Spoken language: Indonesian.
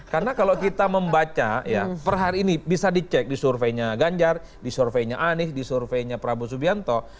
karena kalau kita membaca per hari ini bisa dicek di surveinya ganjar di surveinya anies di surveinya prabowo subianto